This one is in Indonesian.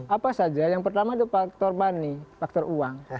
apa saja yang pertama itu faktor money faktor uang